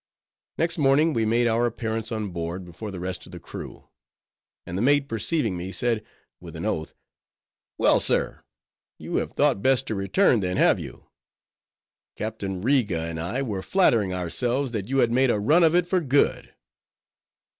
Next morning we made our appearance on board before the rest of the crew; and the mate perceiving me, said with an oath, "Well, sir, you have thought best to return then, have you? Captain Riga and I were flattering ourselves that you had made a run of it for good."